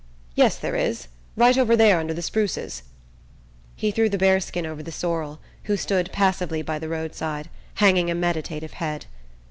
"Yes, there is! Right over there under the spruces." He threw the bearskin over the sorrel, who stood passively by the roadside, hanging a meditative head.